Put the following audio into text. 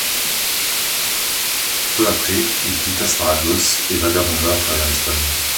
Peu après, il quitta Saragosse et vagabonda à travers l'Espagne.